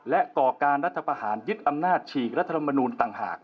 และก่อการรัฐประหารยึดอำนาจฉีกรัฐธรรมนูลต่างหาก